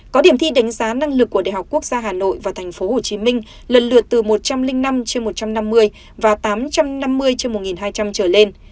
có điểm thi đánh giá năng lực của đại học quốc gia hà nội và tp hcm lần lượt từ một trăm linh năm trên một trăm năm mươi và tám trăm năm mươi trên một hai trăm linh trở lên